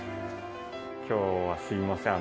今日はすいません